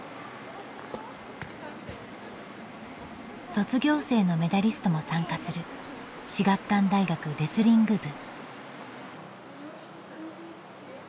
卒業生のメダリストも参加する至学館大学レスリング部。